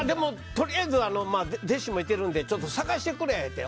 とりあえず弟子もいてるんで探してくれって。